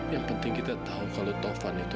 yang penting kita tahu kalau tovan itu